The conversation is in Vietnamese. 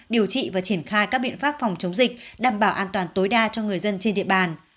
điều trị và triển khai các biện pháp phòng chống dịch đảm bảo an toàn tối đa cho người dân trên địa bàn